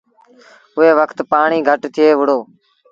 اُئي وکت پآڻيٚ گھٽ ٿئي وُهڙو۔